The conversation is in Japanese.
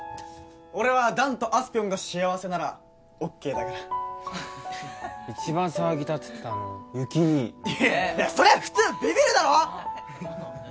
俺は弾とあすぴょんが幸せならＯＫだから一番騒ぎ立ててたのは有起兄いやそりゃ普通ビビるだろ！